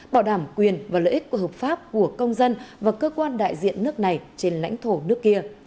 bảo đảm quyền và lợi ích của hợp pháp của công dân và cơ quan đại diện nước này trên lãnh thổ nước kia